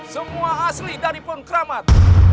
semua asli dari pon keramat